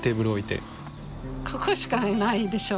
ここしかないでしょ